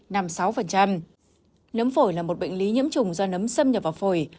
nấm phổi là một bệnh lý nhiễm trùng do nấm xâm nhập vào phổi